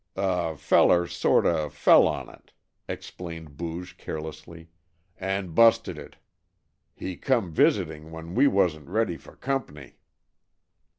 "A feller sort of fell on it," explained Booge carelessly, "and busted it. He come visiting when we wasn't ready for comp'ny."